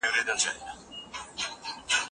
شاګردانو ته باید د خپل نظر د څرګندولو حق ورکړل سي.